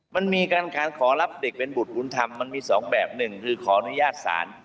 มันมีการขอรับเด็กเป็นบุตรบุญธรรมมันมีสองแบบหนึ่งคือขออนุญาตศาล